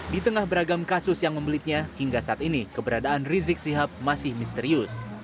di tengah beragam kasus yang membelitnya hingga saat ini keberadaan rizik sihab masih misterius